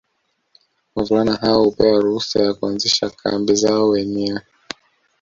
Wavulana hao hupewa ruhusa ya kuanzisha kambi zao wenyewe